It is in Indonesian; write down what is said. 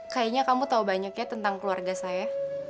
kayaknya kamu tahu banyaknya tentang keluarga saya